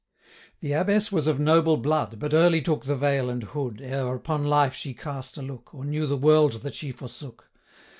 The Abbess was of noble blood, 45 But early took the veil and hood, Ere upon life she cast a look, Or knew the world that she forsook.